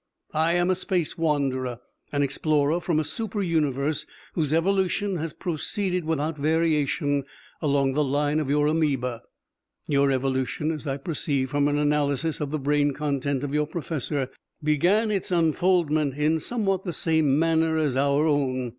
I am a Space Wanderer, an explorer from a super universe whose evolution has proceeded without variation along the line of your amoeba. Your evolution, as I perceive from an analysis of the brain content of your professor, began its unfoldment in somewhat the same manner as our own.